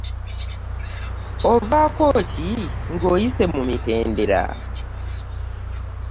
Ovaako ki ng'oyise mu mitendera?